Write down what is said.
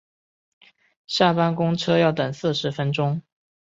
下班公车要等四十分钟